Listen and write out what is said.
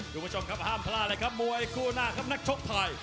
คุณผู้ชมครับห้ามพลาดเลยครับมวยคู่หน้าครับนักชกไทย